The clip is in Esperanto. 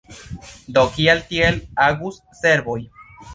Do kial tiel agus serboj?